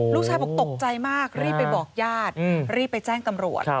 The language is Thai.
ลูกชายบอกตกใจมากรีบไปบอกญาติรีบไปแจ้งตำรวจ